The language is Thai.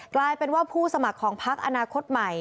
กลายเป็นว่าผู้สมัครของพักอนาคตใหม่